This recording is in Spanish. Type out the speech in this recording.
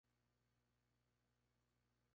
Es prima del actor Nico Evers-Swindell.